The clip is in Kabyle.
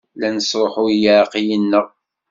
La nesṛuḥuy leɛqel-nneɣ.